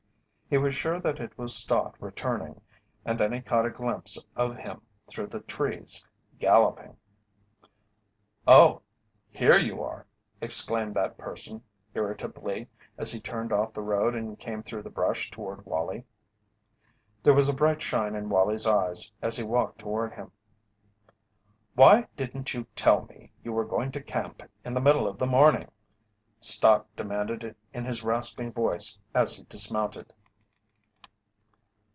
He was sure that it was Stott returning, and then he caught a glimpse of him through the trees galloping. "Oh, here you are!" exclaimed that person, irritably, as he turned off the road and came through the brush toward Wallie. There was a bright shine in Wallie's eyes as he walked toward him. "Why didn't you tell me you were going to camp in the middle of the morning?" Stott demanded in his rasping voice as he dismounted.